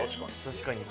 確かに。